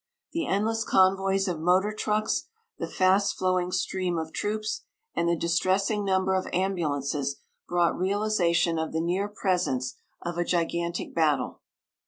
The endless convoys of motor trucks, the fast flowing stream of troops, and the distressing number of ambulances brought realization of the near presence of a gigantic battle.